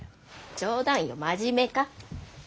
冗談よ真面目か。